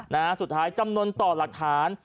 นะฮะสุดท้ายจำนวนต่อหลักฐาน